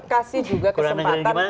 kasih juga kesempatan